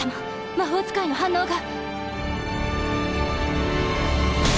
魔法使いの反応が！